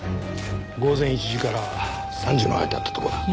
午前１時から３時の間ってとこだ。